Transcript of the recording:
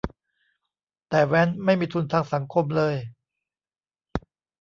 แต่แว้นไม่มีทุนทางสังคมเลย